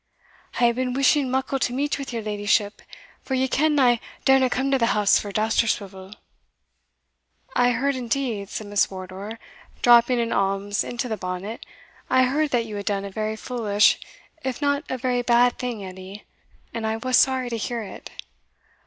"I hae been wishing muckle to meet wi' your leddyship for ye ken I darena come to the house for Dousterswivel." "I heard indeed," said Miss Wardour, dropping an alms into the bonnet "I heard that you had done a very foolish, if not a very bad thing, Edie and I was sorry to hear it."